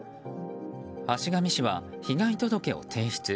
橋上氏は被害届を提出。